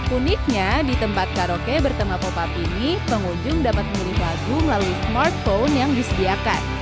uniknya di tempat karaoke bertema pop up ini pengunjung dapat memilih lagu melalui smartphone yang disediakan